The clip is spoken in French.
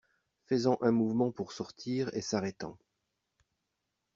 Faisant un mouvement pour sortir et s’arrêtant.